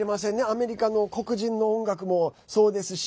アメリカの黒人の音楽もそうですし。